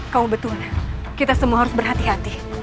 kau betul kita semua harus berhati hati